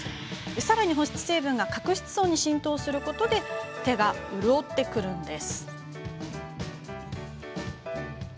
さらに保湿成分が角質層に浸透することで手が潤ってくるんです。